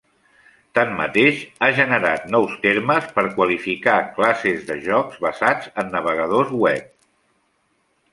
Tanmateix ha generat nous termes per qualificar classes de jocs basats en navegador web.